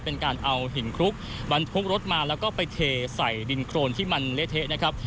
เป็นการเอาหินคลุกบรรทุกรถมาแล้วก็ไปเทใส่ดินโครนที่มันเละเทะนะครับ